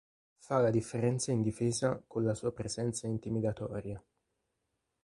Fa la differenza in difesa con la sua presenza intimidatoria.